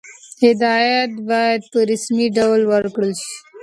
هدایت باید په رسمي ډول ورکړل شي.